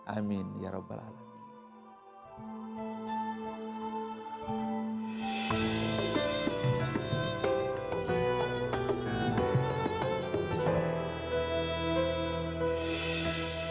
amin ya rabbal alamin